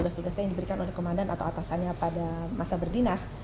yang atas langkah yang diberikan oleh kemandan atau atasannya pada masa berdinas